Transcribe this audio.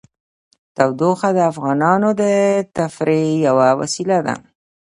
تودوخه د افغانانو د تفریح یوه وسیله ده.